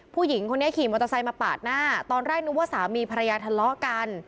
ผู้หญิงคนนี้ขี่มอเตอร์ไซค์มาปาดหน้าตอนแรกนึกว่าสามีภรรยาทะเลาะกัน